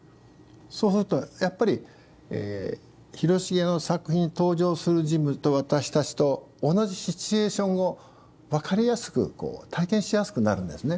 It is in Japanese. そうするとやっぱり広重の作品に登場する人物と私たちと同じシチュエーションを分かりやすくこう体験しやすくなるんですね。